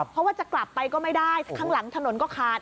เพราะว่าจะกลับไปก็ไม่ได้ข้างหลังถนนก็ขาด